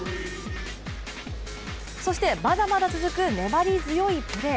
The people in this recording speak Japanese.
そして、まだまだ続く粘り強いプレー。